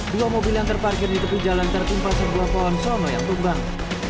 dua mobil yang terparkir di tepi jalan tertimpa sebuah pohon sono yang tumbang